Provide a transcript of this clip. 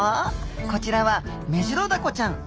こちらはメジロダコちゃん。